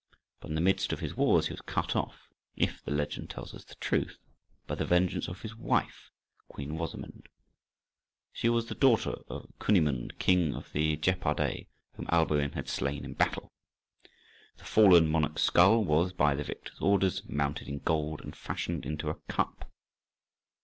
But in the midst of his wars he was cut off, if the legend tells us the truth, by the vengeance of his wife Queen Rosamund. She was the daughter of Cunimund, King of the Gepidæ, whom Alboin had slain in battle. The fallen monarch's skull was, by the victor's orders, mounted in gold and fashioned into a cup.